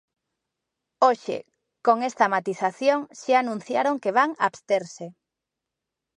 Hoxe, con esta matización, xa anunciaron que van absterse.